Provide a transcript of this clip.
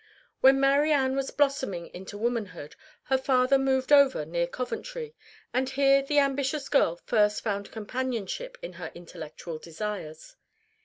When Mary Ann was blossoming into womanhood her father moved over near Coventry, and here the ambitious girl first found companionship in her intellectual desires.